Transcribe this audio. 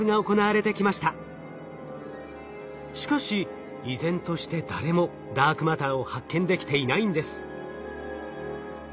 しかし依然として誰もダークマターを発見できていないんです。